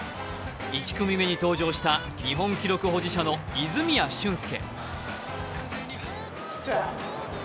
１組目に登場した日本記録保持者の泉谷駿介。